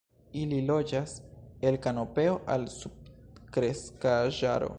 Ili loĝas el kanopeo al subkreskaĵaro.